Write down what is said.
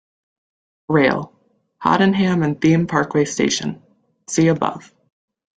Rail - Haddenham and Thame Parkway station - see above.